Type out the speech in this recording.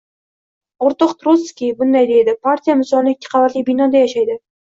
O’rtoq Trotskiy bunday deydi: partiya misoli ikki qavatli binoda yashaydi.